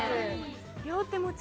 両手持ち。